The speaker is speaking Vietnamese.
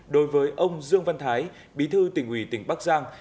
đối với ông dương văn thái bí thư tỉnh ủy tỉnh bắc giang